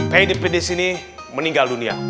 heide pidis ini meninggal dunia